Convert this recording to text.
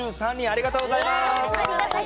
ありがとうございます！